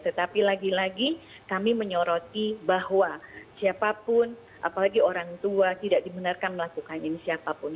tetapi lagi lagi kami menyoroti bahwa siapapun apalagi orang tua tidak dibenarkan melakukan ini siapapun